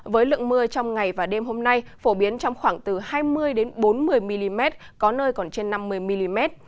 với lượng mưa trong ngày và đêm hôm nay phổ biến trong khoảng từ hai mươi bốn mươi mm có nơi còn trên năm mươi mm